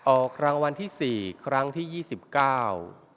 ออกรางวัลที่สี่ครั้งที่ยี่สิบเก้า